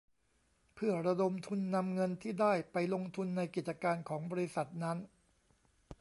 เพื่อระดมทุนนำเงินที่ได้ไปลงทุนในกิจการของบริษัทนั้น